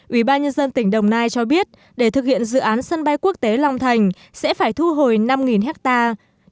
ủy ban nhân dân tỉnh đồng nai cho biết để thực hiện dự án sân bay quốc tế long thành sẽ phải thu hồi năm hectare